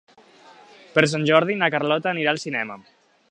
Per Sant Jordi na Carlota anirà al cinema.